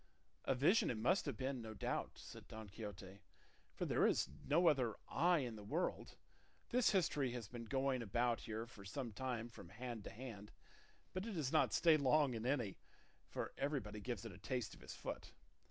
"A vision it must have been, no doubt," said Don Quixote, "for there is no other I in the world; this history has been going about here for some time from hand to hand, but it does not stay long in any, for everybody gives it a taste of his foot.